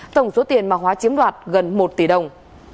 tổng số tiền mà hóa chiếm đoạt gần một tỷ đồng